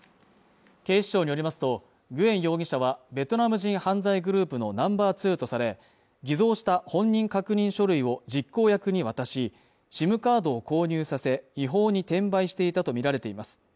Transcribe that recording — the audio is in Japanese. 警視庁によりますと、グエン容疑者はベトナム人犯罪グループのナンバー２とされ、偽造した本人確認書類を実行役に渡しＳＩＭカードを購入させ、違法に転売していたとみられています。